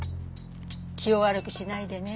気を悪くしないでね。